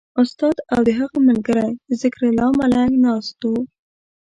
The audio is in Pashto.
استاد او د هغه ملګری ذکرالله ملنګ ناست وو.